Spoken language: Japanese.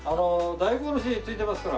大根おろしついてますから。